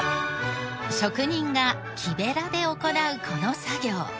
職人が木べらで行うこの作業。